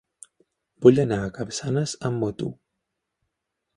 Vull anar a Capçanes amb moto.